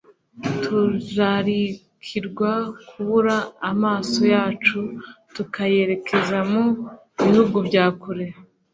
Turarikirwa kubura amaso yacu tukayerekeza mu, bihugu bya kure.